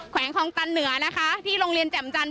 แวงคลองตันเหนือนะคะที่โรงเรียนแจ่มจันท